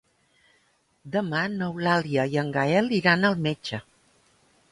Demà n'Eulàlia i en Gaël iran al metge.